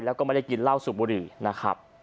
แล้วก็มาเรียกกินราวสุบุรีนะครับ